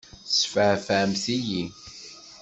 Tesfeεfεemt-iyi!